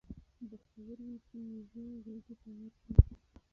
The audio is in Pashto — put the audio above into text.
بختور وي چي یې زه غیږي ته ورسم